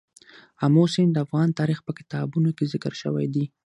آمو سیند د افغان تاریخ په کتابونو کې ذکر شوی دي.